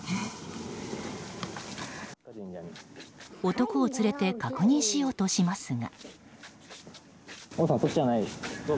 男を連れて確認しようとしますが。